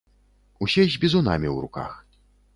Усе з бізунамі ў руках.